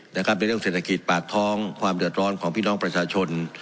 เป็นเรื่องเศรษฐกิจปากท้องความเดือดร้อนของพี่น้องประชาชน